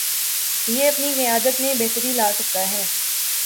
یہ اپنی قیادت میں بہتری لاسکتا ہے۔